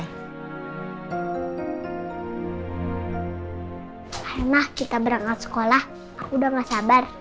karena kita berangkat sekolah aku udah gak sabar